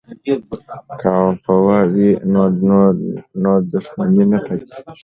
که عفوه وي نو دښمني نه پاتیږي.